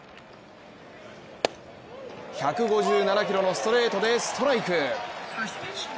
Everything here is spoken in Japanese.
１５７キロのストレートでストライク。